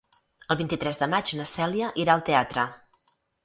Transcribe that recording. El vint-i-tres de maig na Cèlia irà al teatre.